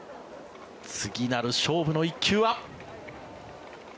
次なる勝負の１球は。